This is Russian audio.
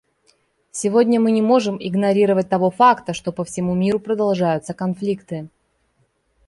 Сегодня мы не можем игнорировать того факта, что по всему миру продолжаются конфликты.